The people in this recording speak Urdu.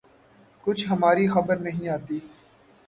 کچھ ہماری خبر نہیں آتی